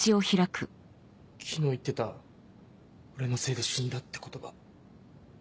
昨日言ってた「俺のせいで死んだ」って言葉